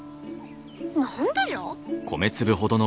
何でじゃ？